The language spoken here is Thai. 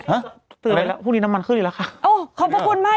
ฮะตื่นแล้วพรุ่งนี้น้ำมันขึ้นอีกแล้วค่ะโอ้ขอบพระคุณมาก